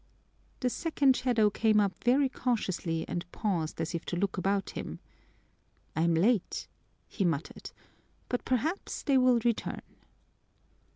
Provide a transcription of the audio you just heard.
The second shadow came up very cautiously and paused as if to look about him. "I'm late," he muttered, "but perhaps they will return."